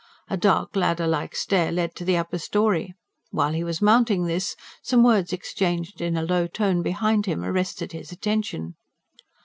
A dark, ladder like stair led to the upper storey. While he was mounting this, some words exchanged in a low tone behind him arrested his attention.